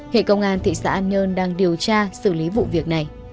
hệ công an thị xã an nhơn đang điều tra xử lý vụ việc này